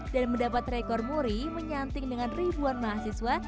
dan mendapat rekor muri menyanting dengan ribuan mahasiswa